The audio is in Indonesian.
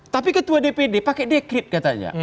tapi ketua dpd pakai dekret katanya